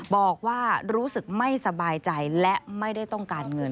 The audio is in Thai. บอกว่ารู้สึกไม่สบายใจและไม่ได้ต้องการเงิน